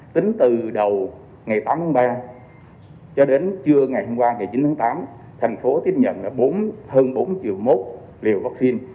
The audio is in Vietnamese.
tính từ đầu ngày tám tháng ba cho đến trưa ngày hôm qua ngày chín tháng tám thành phố tiếp nhận hơn bốn triệu một liều vaccine